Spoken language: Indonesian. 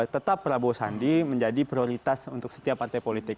tetap prabowo sandi menjadi prioritas untuk setiap partai politik